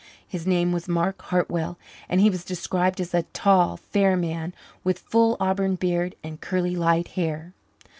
His name was Mark Hartwell, and he was described as a tall, fair man, with full auburn beard and curly, light hair.